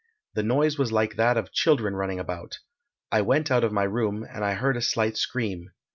The noise was like that of children running about. I went out of my room, and I heard a slight scream.